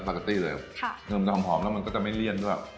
ปาเกตตี้เลยเทิมจะหอมแล้วมันก็จะไม่เลี่ยนด้วย